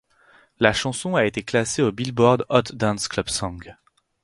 La chanson a été classée au Billboard Hot Dance Club Songs.